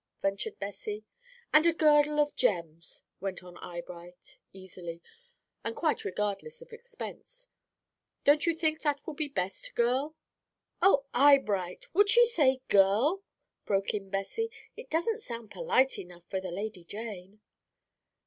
ventured Bessie. "'And a girdle of gems,'" went on Eyebright, easily, and quite regardless of expense. "'Don't you think that will be best, girl?'" "Oh, Eyebright, would she say 'girl?'" broke in Bessie; "it doesn't sound polite enough for the Lady Jane."